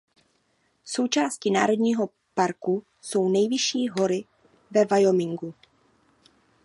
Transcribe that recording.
Součástí národního parku jsou nejvyšší hory ve Wyomingu.